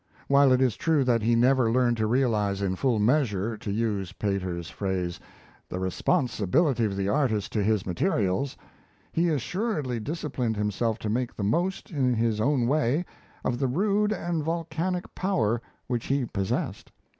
While it is true that he never learned to realize in full measure, to use Pater's phrase, "the responsibility of the artist to his materials," he assuredly disciplined himself to make the most, in his own way, of the rude and volcanic power which he possessed.